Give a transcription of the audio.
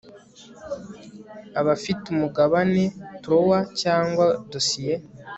Abafite umugabane trowel cyangwa dosiye